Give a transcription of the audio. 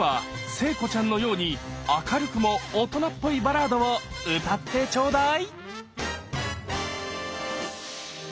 聖子ちゃんのように明るくも大人っぽいバラードを歌ってちょうだい！